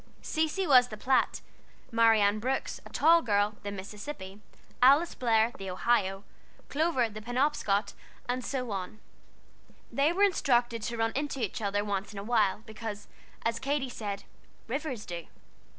Cecy was the Platte, Marianne Brooks, a tall girl, the Mississippi, Alice Blair, the Ohio, Clover, the Penobscot, and so on. They were instructed to run into each other once in a while, because, as Katy said, "rivers do."